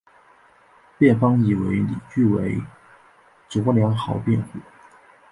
辩方以为理据为卓良豪辩护。